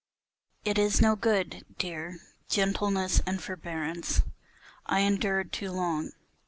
It is no good, dear, gentleness and forbearance, I endured too long.